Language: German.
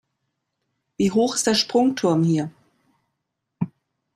Wie hoch ist der Sprungturm hier?